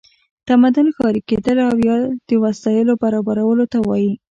تمدن ښاري کیدل او د وسایلو برابرولو ته وایي.